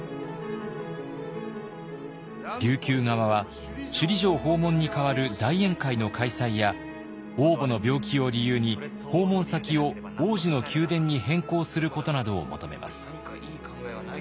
琉球側は首里城訪問に代わる大宴会の開催や王母の病気を理由に訪問先を王子の宮殿に変更することなどを求めます。